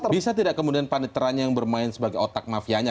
bisa tidak kemudian paniteranya yang bermain sebagai otak mafianya